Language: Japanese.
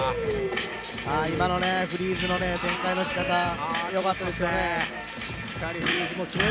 今のフリーズの展開のしかた、良かったです。